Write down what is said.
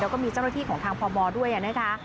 แล้วก็มีเจ้าหน้าที่ของทางพมด้วยนะคะ